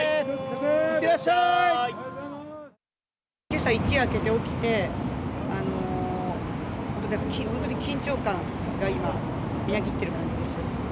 けさ一夜明けて、起きて本当に緊張感が今、みなぎっている感じです。